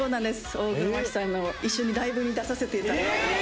大黒摩季さんの一緒にライブに出させていただいた。